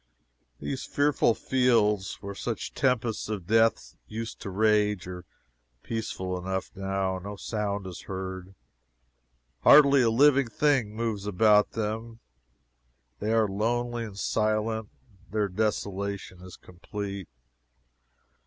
These fearful fields, where such tempests of death used to rage, are peaceful enough now; no sound is heard, hardly a living thing moves about them, they are lonely and silent their desolation is complete.